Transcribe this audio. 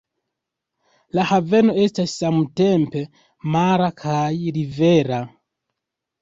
La haveno estas samtempe mara kaj rivera.